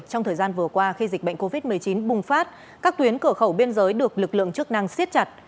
trong thời gian vừa qua khi dịch bệnh covid một mươi chín bùng phát các tuyến cửa khẩu biên giới được lực lượng chức năng siết chặt